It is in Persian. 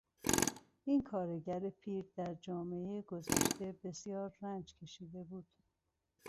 این کارگر پیر در جامعهٔ گذشته بسیار رنج کشیده بود.